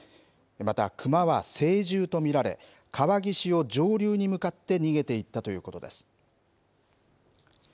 また、熊は成獣と見られ川岸を上流に向かって逃げていったということです。